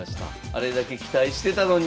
あれだけ期待してたのに。